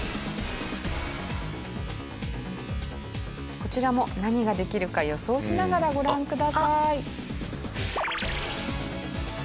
こちらも何ができるか予想しながらご覧ください。